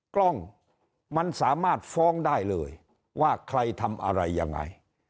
กล้องมันสามารถฟ้องได้เลยว่าใครทำอะไรยังไง